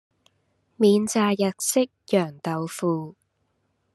免炸日式揚豆腐